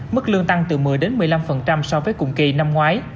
mức lương tăng từ một mươi một mươi năm so với cùng kỳ năm ngoái